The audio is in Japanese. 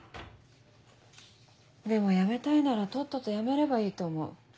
でも辞めたいならとっとと辞めればいいと思う。